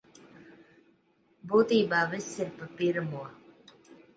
Būtībā viss ir pa pirmo.